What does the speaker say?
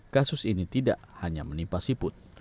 kasus ini tidak hanya menimpa siput